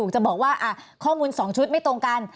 จะบอกว่าข้อมูล๒ชุดไม่ตรงกัน